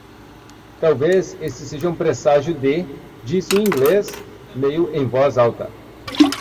"Talvez este seja um presságio de?" disse o inglês? meio em voz alta.